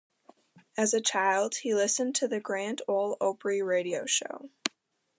As a child he listened to the Grand Ole Opry radio show.